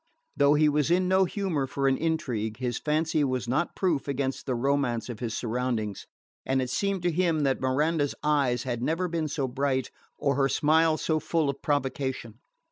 Though he was in no humour for an intrigue his fancy was not proof against the romance of his surroundings, and it seemed to him that Miranda's eyes had never been so bright or her smile so full of provocation.